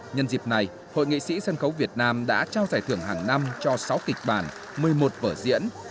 nhân dịp này hội nghệ sĩ sân khấu việt nam đã trao giải thưởng hàng năm cho sáu kịch bản một mươi một vở diễn